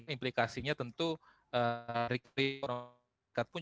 implikasinya tentu rekreasi pemerintahan amerika serikat pun juga kita harapkan ini bisa berhasil